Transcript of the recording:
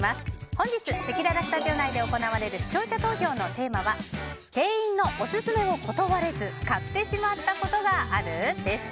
本日せきららスタジオ内で行われる視聴者投票のテーマは店員のオススメを断れず買ってしまったことがある？です。